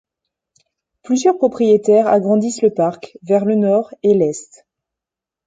Plusieurs propriétaires agrandissent le parc vers le nord et l'est.